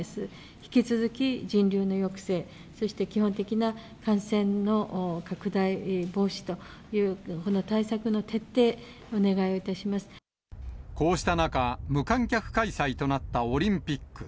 引き続き人流の抑制、そして基本的な感染の拡大防止という、この対策の徹底、こうした中、無観客開催となったオリンピック。